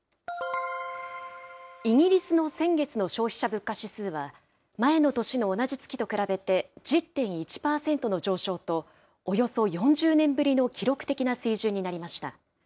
イギリスの先月の消費者物価指数は、前の年の同じ月と比べて１０．１％の上昇と、およそ４０年ぶりの記録的な水準になりました。